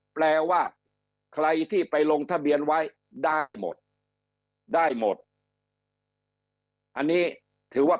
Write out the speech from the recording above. แปลว่าใครที่ไปลงทะเบียนไว้ดาร์กหมดได้หมดอันนี้ถือว่า